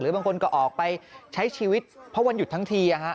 บางคนก็ออกไปใช้ชีวิตเพราะวันหยุดทั้งที